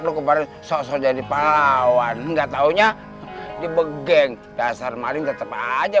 lu kemarin sosok jadi pahlawan enggak taunya di begeng dasar maling tetap aja